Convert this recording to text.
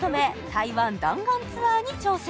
台湾弾丸ツアーに挑戦